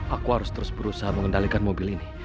aku harus terus berusaha mengendalikan mobil ini